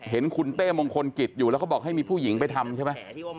เห็นคุณเต้มงคลกิจอยู่แล้วเขาบอกให้มีผู้หญิงไปทำใช่ไหม